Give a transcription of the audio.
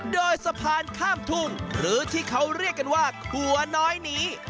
โดยสะพานข้ามทุ่งหรือที่เขาเรียกกันว่าขัวน้อยนี้